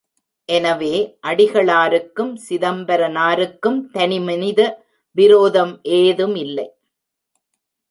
எனவே, அடிகளாருக்கும் சிதம்பரனாருக்கும் தனிமனித விரோதம் ஏதுமில்லை.